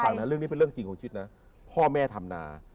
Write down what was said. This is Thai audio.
จริงเรื่องนี้เป็นเรื่องจริงของชีวิตพ่อแม่ธรรมนา